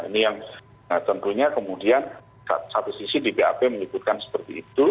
nah tentunya kemudian satu sisi di vap menyebutkan seperti itu